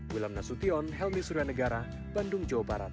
wilham nasution helmy suryanegara bandung jawa barat